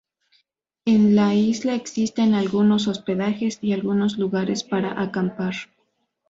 En la isla existen algunos hospedajes y algunos lugares para acampar.